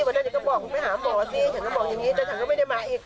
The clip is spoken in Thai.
ฉันก็บอกอย่างนี้แต่ฉันก็ไม่ได้มาอีก